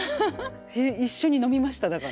一緒に飲みましただから。